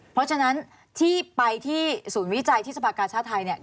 เพราะฉะนั้นที่ไปที่ศูนย์วิจัยที่สมประกาศชาติไทย